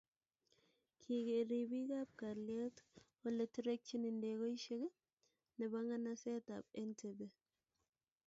kiker ribik ab kalyet oleterekchini ndegoishike nebo nganasetab Entebbe